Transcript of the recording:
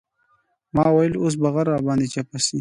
ما ويل اوس به غر راباندې چپه سي.